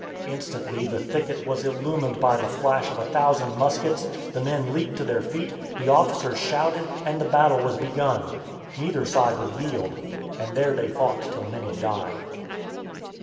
Instantly the thicket was illumined by the flash of a thousand muskets, the men leaped to their feet, the officers shouted, and the battle was begun. Neither side would yield, and there they fought till many died.